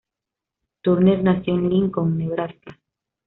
Turner nació en Lincoln, Nebraska.